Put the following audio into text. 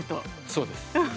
そうです。